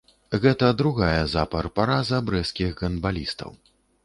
Гэта другая запар параза брэсцкіх гандбалістаў.